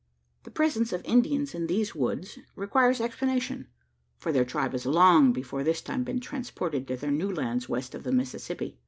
The presence of Indians in these woods requires explanation for their tribe has long before this time been transported to their new lands west of the Mississippi.